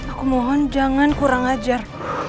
aku mohon jangan kurang ajar